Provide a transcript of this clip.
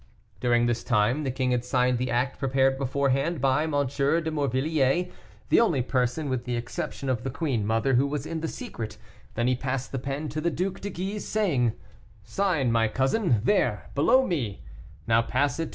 During this time the king had signed the act prepared beforehand by M. de Morvilliers, the only person, with the exception of the queen mother, who was in the secret, then he passed the pen to the Duc de Guise, saying: "Sign, my cousin; there, below me, now pass it to M.